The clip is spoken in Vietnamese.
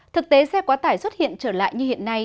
thực tế xe quá tải xuất hiện trở lại như hiện nay